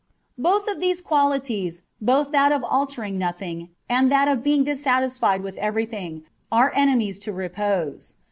Both of these qualities, both that of altering nothing, and that of being dissatisfied with everything, are enemies to repose.